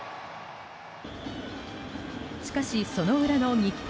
しかし、その裏の日本。